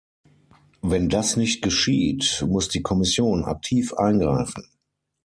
Wenn das nicht geschieht, muss die Kommission aktiv eingreifen.